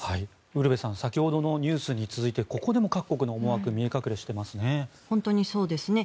ウルヴェさん先ほどのニュースに続いてここでも各国の思惑見え隠れしていますね。